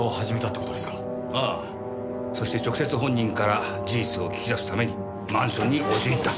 そして直接本人から事実を聞き出すためにマンションに押し入った。